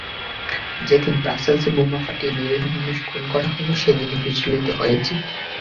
যেদিন ব্রাসেলসে বোমা ফাটিয়ে নিরীহ মানুষ খুন করা হলো সেদিনও বিচলিত হয়েছি।